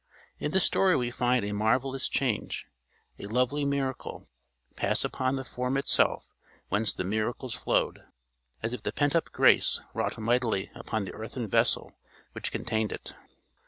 In the story we find a marvellous change, a lovely miracle, pass upon the form itself whence the miracles flowed, as if the pent up grace wrought mightily upon the earthen vessel which contained it.